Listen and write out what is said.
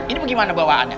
ini bagaimana bawaannya